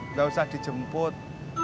enggak usah dijemput